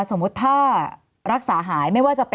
สมมุติถ้ารักษาหาย